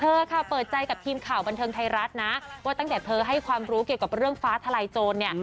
เธอค่ะเปิดใจกับทีมข่าวบันเทิงไทยรัฐนะว่าตั้งแต่เธอให้ความรู้เกี่ยวกับเรื่องฟ้าทลายโจรเนี่ย